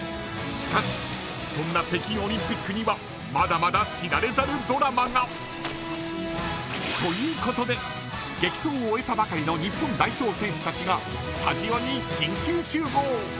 しかし、そんな北京オリンピックにはまだまだ知られざるドラマが。ということで激闘を終えたばかりの日本代表選手たちがスタジオに緊急集合。